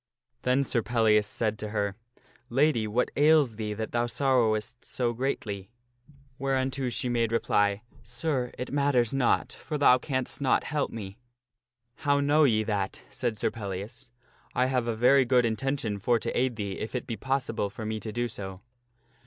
Then Sir Pellias said to her, " Lady, what ails thee that thou sorrowest so greatly ?" Whereunto she made reply, " Sir, it matters 216 THE STORY OF SIR PELLIAS not, for thou canst not help me." " How know ye that? " said Sir Pellias. " I have a very good intention for to aid thee if it be possible for me to do so."